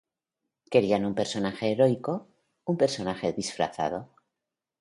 Querían un personaje heroico, un personaje disfrazado.